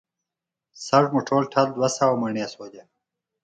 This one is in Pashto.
سږ مو ټول ټال دوه سوه منه مڼې شولې.